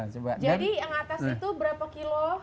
jadi yang atas itu berapa kilo